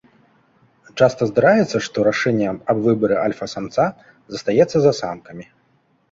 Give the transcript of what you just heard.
Часта здараецца, што рашэнне аб выбары альфа-самца застаецца за самкамі.